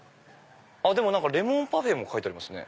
レモンパフェも書いてありますね。